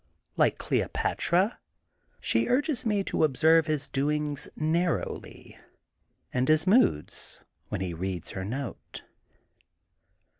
Like Cleopatra, she urges me to observe his doings narrowly, and his moods when he reads her note.